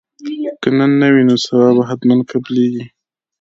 که نن نه وي نو سبا به حتما قبلیږي